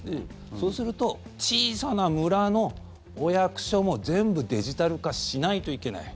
そうすると小さな村のお役所も全部デジタル化しないといけない。